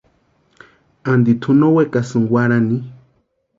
Anti tʼu no wekasinki warhani.